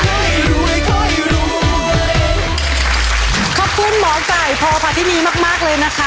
ขอบคุณหมอไก่พอพาที่นี่มากเลยนะคะ